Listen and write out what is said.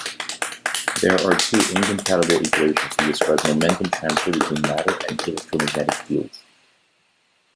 There are two incompatible equations to describe momentum transfer between matter and electromagnetic fields.